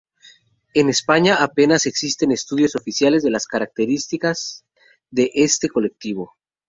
En España apenas existen estudios oficiales de las características de este colectivo.